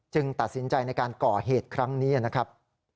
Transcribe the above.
ตัดสินใจในการก่อเหตุครั้งนี้นะครับ